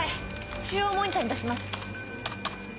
中央モニターに出します。